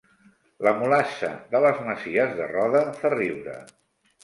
La mulassa de les Masies de Roda fa riure